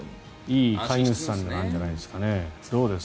いい飼い主さんじゃないんですかね。